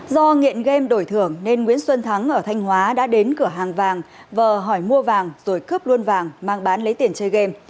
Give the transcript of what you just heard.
do nghiện game đổi thưởng nên nguyễn xuân thắng ở thanh hóa đã đến cửa hàng vàng vờ hỏi mua vàng rồi cướp luôn vàng mang bán lấy tiền chơi game